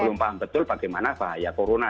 belum paham betul bagaimana bahaya corona